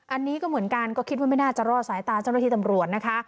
อันนี้ก็เหมือนกันก็คิดว่าไม่น่าจะรอดสายตาเจ้าหน้าที่ตำรวจนะคะ